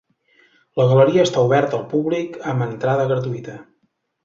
La galeria està oberta al públic amb entrada gratuïta.